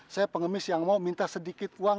saya pengemis yang mau minta sedikit uang